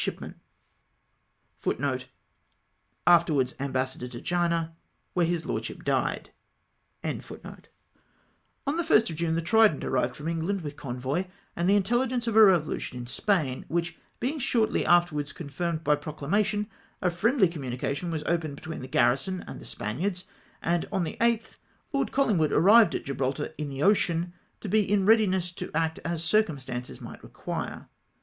Napier (the late Lord Napier), then a midshipman.* On the 1st of Jmie, the Trident aiTived from England with convoy, and the intelligence of a revolution in Spain, which, being shortly afterwards confirmed by proclamation, a friendly communication was opened between the garrison and the Spaniards, and on the 8th Lord CoUingwood arrived at Gibraltar in the Ocean, to be in readiness to act as circumstances might require.